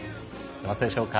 出ますでしょうか。